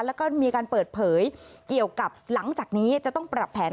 แล้วก็มีการเปิดเผยเกี่ยวกับหลังจากนี้จะต้องปรับแผน